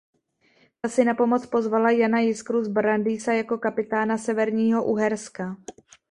Ta si na pomoc pozvala Jana Jiskru z Brandýsa jako kapitána severního Uherska.